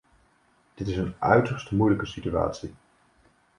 Dit is een uiterst moeilijke situatie.